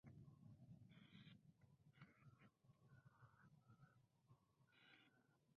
Ese año corrió en la Fórmula Atlantic, donde terminó octavo con tres podios.